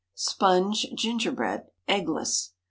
SPONGE GINGERBREAD (_eggless.